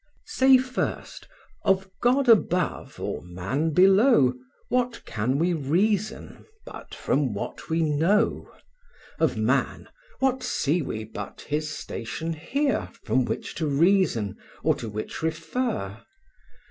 I. Say first, of God above, or man below What can we reason, but from what we know? Of man, what see we but his station here, From which to reason, or to which refer?